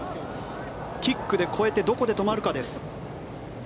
キックで越えてどこで止まるかです。